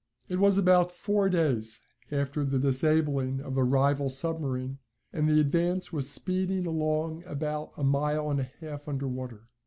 It was about four days after the disabling of the rival submarine, and the Advance was speeding along about a mile and a half under water.